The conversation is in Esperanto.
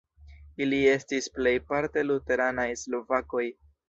Ili estis plejparte luteranaj slovakoj.